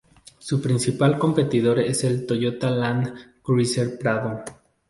Su principal competidor es el Toyota Land Cruiser Prado.